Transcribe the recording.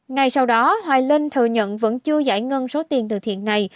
ngày sau đó hoài linh thừa nhận vẫn chưa giải ngân số tiền tự thiện này